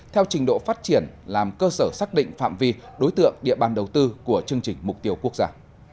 theo trình độ phát triển làm cơ sở xác định phạm vi đối tượng địa bàn đầu tư của chương trình mục tiêu quốc gia